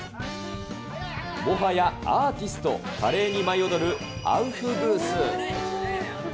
もはやアーティスト、華麗に舞い踊るアウフグース。